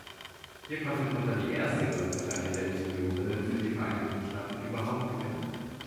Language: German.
Hier konnte Potter die erste Goldmedaille der Juniorinnen für die Vereinigten Staaten überhaupt gewinnen.